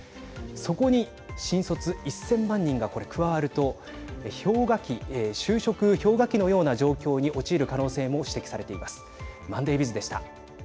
そこに、新卒１０００万人がこれ、加わると就職氷河期のような状況に陥る可能性も指摘されています。